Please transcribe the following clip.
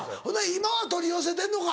今は取り寄せてんのか。